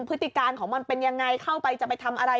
พฤติการของมันเป็นยังไงเข้าไปจะไปทำอะไร